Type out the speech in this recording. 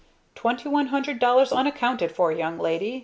"Twenty one hundred dollars unaccounted for, young lady!